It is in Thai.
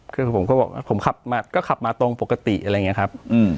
คือผมก็บอกว่าผมขับมาก็ขับมาตรงปกติอะไรอย่างนี้ครับ